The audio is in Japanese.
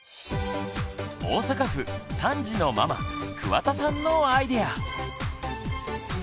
大阪府３児のママ桑田さんのアイデア！